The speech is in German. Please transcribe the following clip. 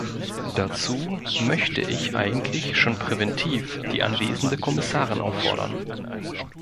Dazu möchte ich eigentlich schon präventiv die anwesende Kommissarin auffordern.